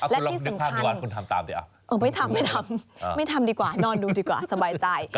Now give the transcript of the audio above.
และที่สำคัญไม่ทำไม่ทำดีกว่านอนดูดีกว่าสบายใจ